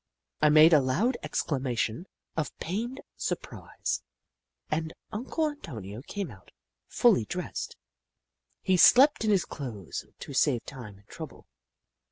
I made a loud exclamation of pained sur prise, and Uncle Antonio came out, fully dressed. He slept in his clothes to save time and trouble.